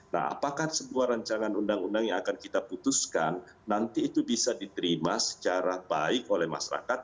nah apakah sebuah rancangan undang undang yang akan kita putuskan nanti itu bisa diterima secara baik oleh masyarakat